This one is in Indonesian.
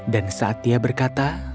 dan saat dia berkata